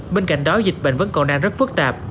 bên cạnh đó dịch bệnh vẫn còn đang rất phức tạp